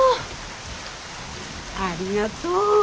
ありがとう。